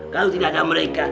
kau tidakkan mereka